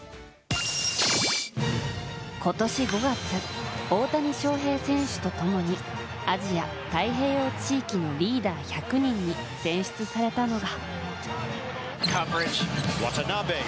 今年５月、大谷翔平選手と共にアジア・太平洋地域のリーダー１００人に選出されたのが。